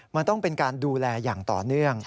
มันต้องเป็นการดูแลอย่างต่อเนื่อง